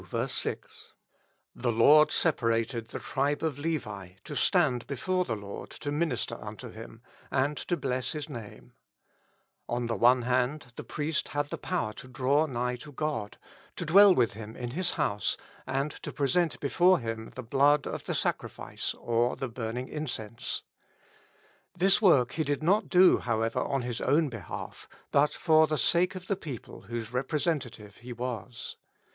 6) : "The Lord separated the tribe of Levi, to stand before the Lord to minister unto Him, and to bless His Name:' On the one hand, the priest had the power to draw nigh to God, to dwell with Him in His house, and to present before Him the blood of the sacrifice or the burning incense. This work he did not do, however, on his own behalf, but for the sake of the people whose representative he was.